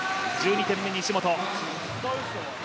１２点目、西本。